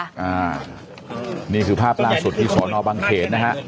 อ่านี่คือภาพล่าสุดที่สอนอบังเขตนะฮะ